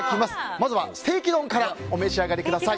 まずはステーキ丼からお召し上がりください。